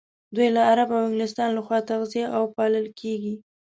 دوی له غرب او انګلستان لخوا تغذيه او پالل کېږي.